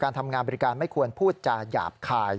ทำงานบริการไม่ควรพูดจาหยาบคาย